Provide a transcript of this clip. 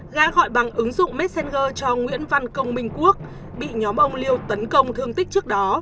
ga gọi bằng ứng dụng messenger cho nguyễn văn công minh quốc bị nhóm ông liêu tấn công thương tích trước đó